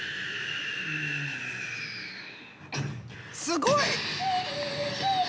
すごい！